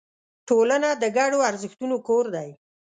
ټولنه د ګډو ارزښتونو کور دی.